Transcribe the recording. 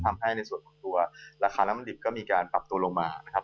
ในส่วนของตัวราคาน้ำมันดิบก็มีการปรับตัวลงมานะครับ